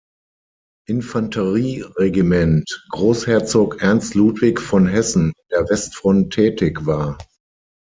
Infanterie-Regiment „Großherzog Ernst Ludwig von Hessen“ an der Westfront tätig war.